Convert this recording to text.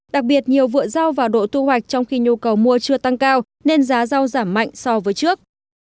đặc biệt nhiều vựa rau vào độ thu hoạch trong khi nhu cầu mua chưa tăng cao nên giá rau giảm mạnh so với trước